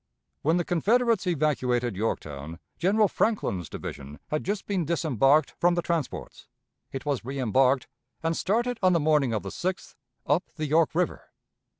When the Confederates evacuated Yorktown, General Franklin's division had just been disembarked from the transports. It was reembarked, and started on the morning of the 6th up the York River.